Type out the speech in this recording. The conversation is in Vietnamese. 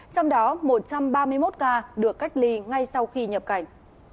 trong đó một trăm ba mươi một ca được cách ly ngay sau khi nhập cảnh